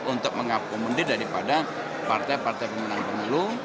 untuk mengaku muntir daripada partai partai pimpinan kemuluh